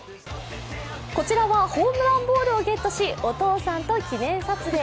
こちらはホームランボールをゲットしお父さんと記念撮影。